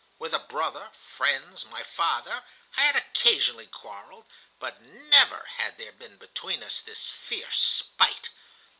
With a brother, friends, my father, I had occasionally quarrelled, but never had there been between us this fierce spite.